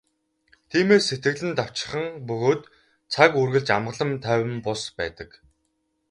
Тиймээс сэтгэл нь давчхан бөгөөд цаг үргэлж амгалан тайван бус байдаг.